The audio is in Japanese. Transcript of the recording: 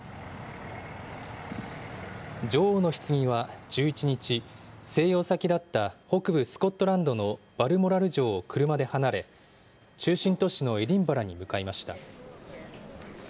女王のひつぎは１１日、静養先だった北部スコットランドのバルモラル城を車で離れ、中心都市のエディンバラに向かいました。